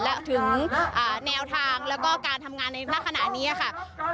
และถึงแนวทางแล้วก็การทำงานในลักษณะนี้ค่ะ